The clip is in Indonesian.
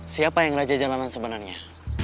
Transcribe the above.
siapa yang raja jalanan sebenarnya